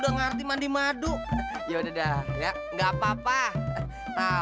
ngeri ntar ada tawonnya